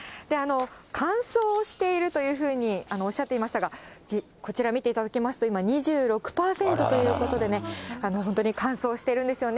乾燥しているというふうにおっしゃっていましたが、こちら、見ていただきますと、今２６％ということでね、本当に乾燥してるんですよね。